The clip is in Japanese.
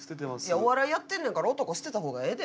お笑いやってんねんから男捨てた方がええで。